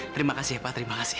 terima kasih eva terima kasih